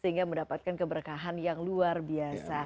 sehingga mendapatkan keberkahan yang luar biasa